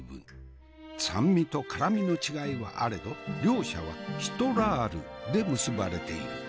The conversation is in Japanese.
酸味と辛みの違いはあれど両者はシトラールで結ばれている。